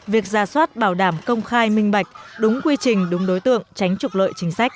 việc ra soát bảo đảm công khai minh bạch đúng quy trình đúng đối tượng tránh trục lợi chính sách